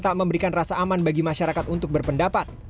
tak memberikan rasa aman bagi masyarakat untuk berpendapat